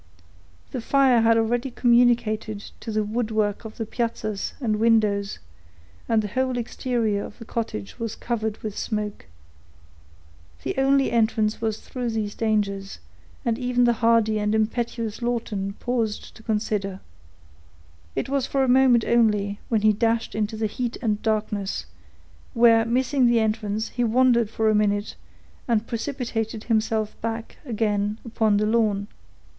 The fire had already communicated to the woodwork of the piazzas and windows, and the whole exterior of the cottage was covered with smoke. The only entrance was through these dangers, and even the hardy and impetuous Lawton paused to consider. It was for a moment only, when he dashed into the heat and darkness, where, missing the entrance, he wandered for a minute, and precipitated himself back, again, upon the lawn.